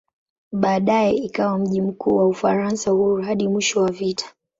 Baadaye ikawa mji mkuu wa "Ufaransa Huru" hadi mwisho wa vita.